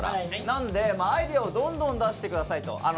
なんでアイデアをどんどん出して下さいと。